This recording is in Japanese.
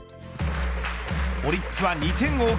オリックスは２点を追う